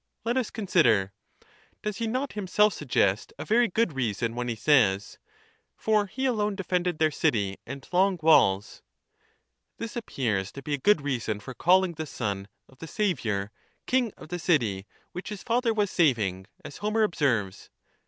Let us consider: — does he not himself suggest a very good reason, when he says, ' For he alone defended their city and long walls '? This appears to be a good reason for calling the son of the saviour king of the city which his father was saving, as Homer observes.